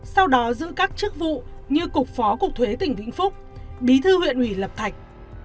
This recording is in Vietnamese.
sau đó giữ các chức vụ như cục phó cục thuế tỉnh vĩnh phúc bí thư huyện ủy lập thạch